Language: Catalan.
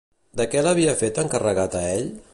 De què l'havia fet encarregat a ell?